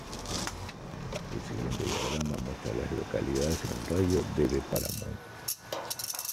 El siguiente diagrama muestra a las localidades en un radio de de Paramount.